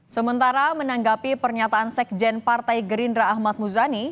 sementara menanggapi pernyataan sekjen partai gerindra ahmad muzani